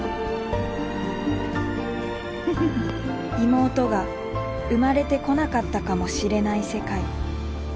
妹が生まれてこなかったかもしれない世界。